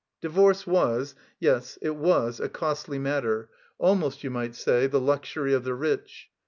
Divorce was, yes, it was a costly matter, almost, you might say, the luxury of the rich.